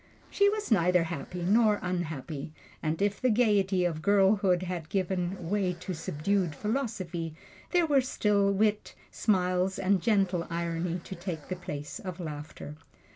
She was neither happy nor unhappy, and if the gaiety of girlhood had given way to subdued philosophy, there were still wit, smiles and gentle irony to take the place of laughter.